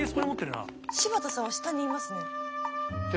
柴田さんは下にいますね。